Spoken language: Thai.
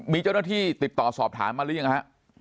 มีเจ้าหน้าที่ติดต่อสอบถามมาหรือยังฮะ